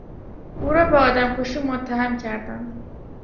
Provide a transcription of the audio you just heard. او را به آدم کشی متهم کردند.